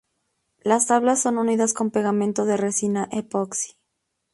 Las tablas son unidas con pegamento de resina epoxi.